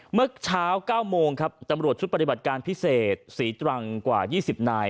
เมื่อเช้า๙โมงครับตำรวจชุดปฏิบัติการพิเศษศรีตรังกว่า๒๐นาย